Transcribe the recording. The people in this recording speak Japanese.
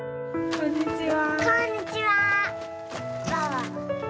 こんにちは。